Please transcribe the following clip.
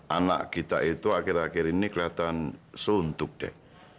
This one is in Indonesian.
anak kita itu akhir akhir ini kelihatan suntuk deh